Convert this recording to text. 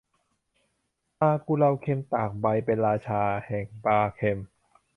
ปลากุเลาเค็ม ตากใบ เป็นราชาแห่งปลาเค็ม